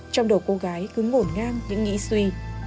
trong đầu cô gái cứ ngổn ngang những nghĩ suy